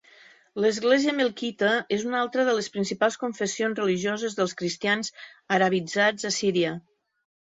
L'església melquita és una altra de les principals confessions religioses dels cristians "arabitzats" a Síria.